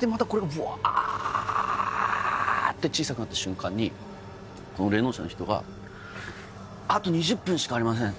でまたこれがブワッて小さくなった瞬間にこの霊能者の人が「あと２０分しかありません」